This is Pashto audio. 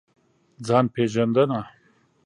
ځان پېژندنه.